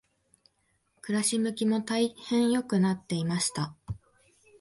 暮し向きも大変良くなっていました。